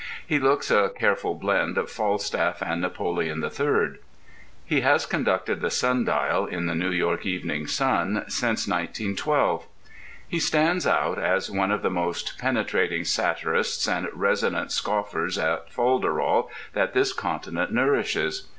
He looks a careful blend of Falstaff and Napoleon III. He has conducted the Sun Dial in the New York Evening Sun since 1912. He stands out as one of the most penetrating satirists and resonant scoffers at folderol that this continent nourishes.